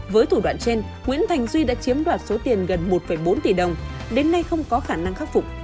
với thủ đoạn trên nguyễn thành duy đã chiếm đoạt số tiền gần một bốn tỷ đồng đến nay không có khả năng khắc phục